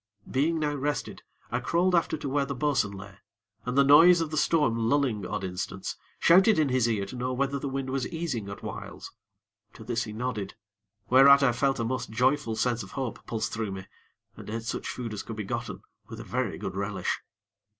Being now rested, I crawled after to where the bo'sun lay, and, the noise of the storm lulling odd instants, shouted in his ear to know whether the wind was easing at whiles. To this he nodded, whereat I felt a most joyful sense of hope pulse through me, and ate such food as could be gotten, with a very good relish.